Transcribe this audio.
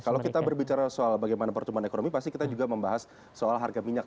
kalau kita berbicara soal bagaimana pertumbuhan ekonomi pasti kita juga membahas soal harga minyak